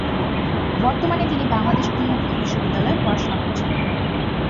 বর্তমানে তিনি বাংলাদেশ উন্মুক্ত বিশ্ববিদ্যালয়ে পড়াশুনা করছেন।